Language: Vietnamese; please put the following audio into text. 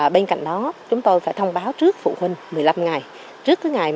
bên cạnh đó chúng tôi phải thông báo trước phụ huynh một mươi năm ngày